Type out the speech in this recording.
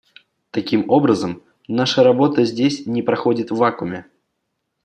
Таким образом, наша работа здесь не проходит в вакууме.